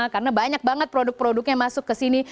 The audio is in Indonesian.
karena banyak banget produk produknya masuk ke sini